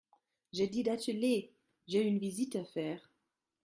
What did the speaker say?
J’ai dit d’atteler ; j’ai une visite à faire.